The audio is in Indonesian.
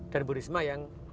dan bu risma yang